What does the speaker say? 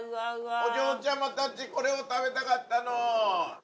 お嬢ちゃまたちこれを食べたかったの！